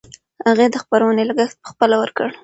هغې د خپرونې لګښت پخپله ورکړ.